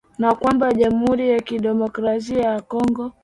na kwamba jamhuri ya kidemokrasia ya Kongo